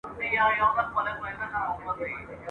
کشپ وژړل چي زه هم دلته مرمه !.